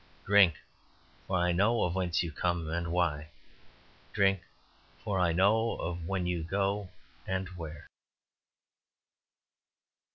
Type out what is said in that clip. Drink, for I know of whence you come and why. Drink, for I know of when you go and where."